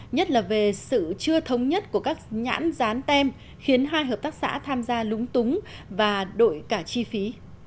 nhất là về sự chưa thống nhất của các nhãn rán tem khiến hai hợp tác xã tham gia lúng túng và đội cả chi phí